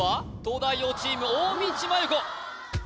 東大王チーム大道麻優子